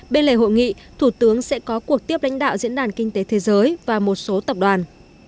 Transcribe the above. bên lề hội nghị thủ tướng sẽ có cuộc tiếp lãnh đạo diễn đàn kinh tế thế giới và một số tập đoàn